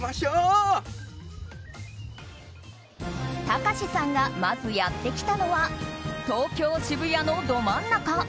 たかしさんがまずやってきたのは東京・渋谷のど真ん中。